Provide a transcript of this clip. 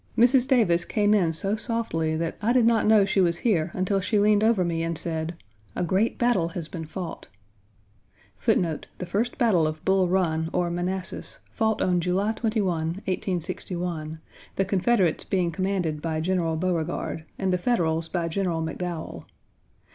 Mrs. Davis came in so softly that I did not know she was here until she leaned over me and said: "A great battle has been fought.1 Joe Johnston led the right 1. The first battle of Bull Run, or Manassas, fought on July 21, 1861, the Confederates being commanded by General Beauregard, and the Federals by General McDowell.